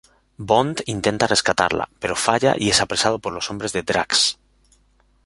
Bond intenta rescatarla, pero falla y es apresado por los hombres de Drax.